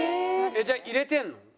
じゃあ入れてるの？